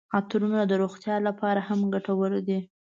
عطرونه د روغتیا لپاره هم ګټور دي.